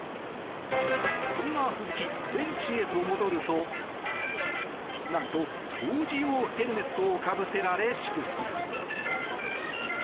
そんな鈴木、ベンチへと戻ると何と、工事用ヘルメットをかぶせられ祝福。